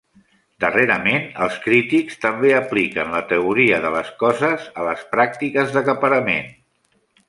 Darrerament els crítics també apliquen la Teoria de les coses a les pràctiques d'acaparament.